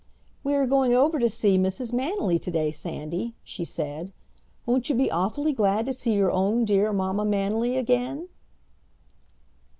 "We are going over to see Mrs. Manily today, Sandy," she said. "Won't you be awfully glad to see your own dear Mamma Manily again?"